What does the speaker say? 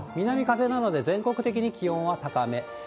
南風なので、全国的に気温は高め。